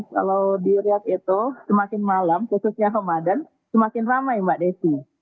kalau di riyad itu semakin malam khususnya ramadan semakin ramai mbak desi